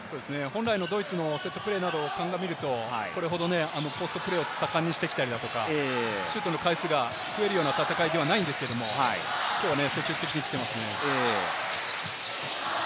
本来のドイツのセットプレーなどを鑑みると、これほど高速プレーを盛んにしてきたり、シュートの回数が増えるような戦いではないんですけれども、きょうは積極的に来ていますね。